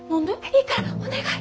いいからお願い。